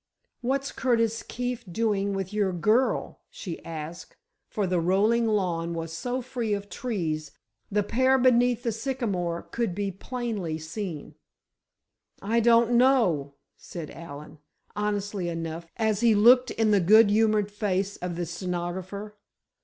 "What's Curtie Keefe doing with your girl?" she asked, for the rolling lawn was so free of trees, the pair beneath the sycamore could be plainly seen. "I don't know!" said Allen, honestly enough, as he looked in the good humored face of the stenographer.